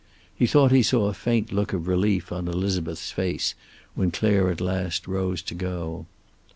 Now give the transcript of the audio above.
He thought he saw a faint look of relief on Elizabeth's face when Clare at last rose to go.